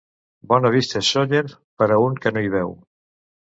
Bona vista és Sóller, per a un qui no hi veu.